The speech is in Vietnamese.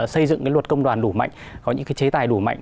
xây dựng luật công đoàn đủ mạnh có những chế tài đủ mạnh